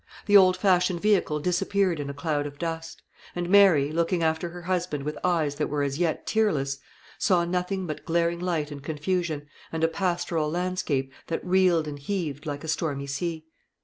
The old fashioned vehicle disappeared in a cloud of dust; and Mary, looking after her husband with eyes that were as yet tearless, saw nothing but glaring light and confusion, and a pastoral landscape that reeled and heaved like a stormy sea.